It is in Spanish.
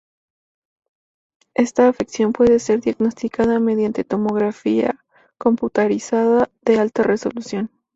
Esta afección puede ser diagnosticada mediante tomografía computarizada de alta resolución.